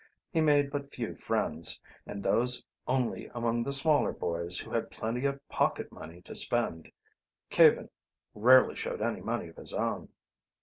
He made but few friends, and those only among the smaller boys who had plenty of pocket money to spend. Caven rarely showed any money of his own.